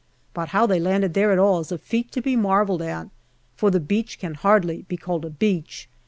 But how they landed there at all is a feat to be marvelled at, for the beach can hardly be called a beach.